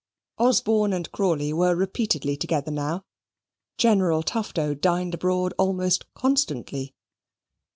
Osborne and Crawley were repeatedly together now. General Tufto dined abroad almost constantly.